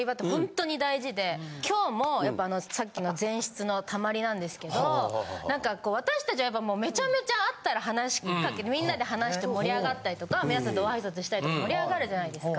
今日もさっきの前室のたまりなんですけどなんか私たちはめちゃめちゃ会ったら話しかけみんなで話して盛り上がったりとか皆さんと挨拶したりとか盛り上がるじゃないですか。